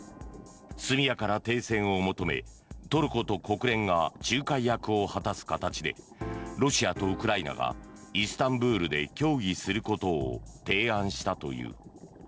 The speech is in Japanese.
速やかな停戦を求めトルコと国連が仲介を果たす形でロシアとウクライナがイスタンブールで協議することを提案したという。